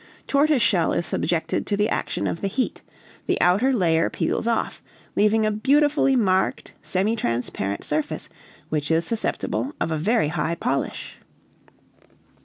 Tortoise shell is subjected to the action of the heat, the outer layer peels off, leaving a beautifully marked, semi transparent surface, which is susceptible of a very high polish."